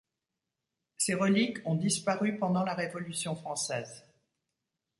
Ces reliques ont disparu pendant la Révolution française.